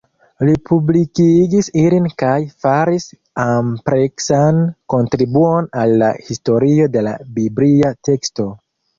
Li publikigis ilin kaj faris ampleksan kontribuon al la historio de la biblia teksto.